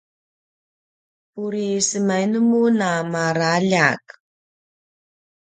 uri semainu mun a maraljak?